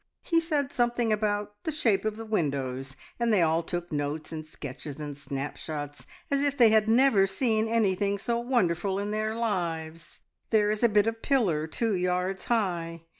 He said something about the shape of the windows, and they all took notes and sketches and snapshots, as if they had never seen anything so wonderful in their lives. There is a bit of a pillar two yards high.